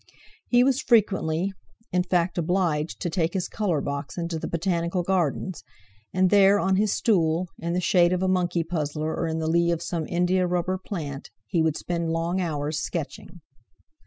He was frequently, in fact, obliged to take his colour box into the Botanical Gardens, and there, on his stool, in the shade of a monkey puzzler or in the lee of some India rubber plant, he would spend long hours sketching.